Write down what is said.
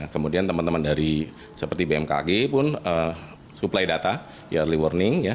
kemudian teman teman dari seperti bmkg pun supply data early warning